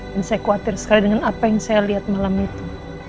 dan saya khawatir sekali dengan apa yang saya lihat malam itu